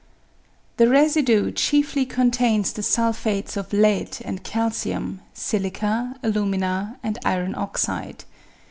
The residue chiefly contains the sulphates of lead and calcium, silica, alumina, and iron oxide.